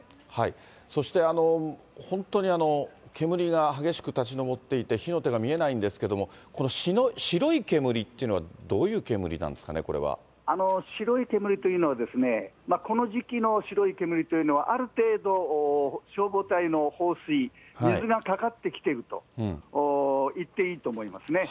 そして本当に煙が激しく立ち上っていて、火の手が見えないんですけれども、この白い煙というのはどういう煙なんですかね、これは。白い煙というのは、この時期の白い煙というのは、ある程度、消防隊の放水、水がかかってきていると言っていいと思いますね。